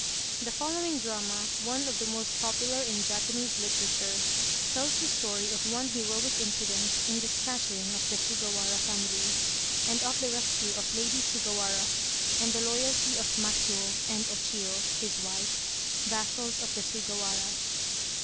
The following drama, one of the most popular in Japanese literature, tells the story of one heroic incident in the scatter ing of the Sugawara family, and of the rescue of Lady Suga wara, and the loyalty of Matsuo and Chiyo, his wife, vassals of the Sugawara.